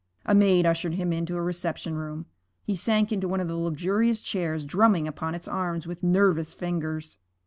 A maid ushered him into a reception room. He sank into one of the luxurious chairs, drumming upon its arms with nervous fingers.